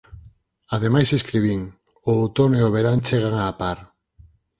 Ademais escribín: “O outono e o verán chegan á par.”